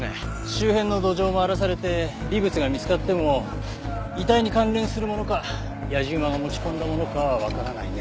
周辺の土壌も荒らされて微物が見つかっても遺体に関連するものか野次馬が持ち込んだものかはわからないね。